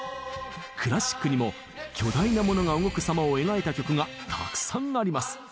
クラシックにも巨大なモノが動くさまを描いた曲がたくさんあります。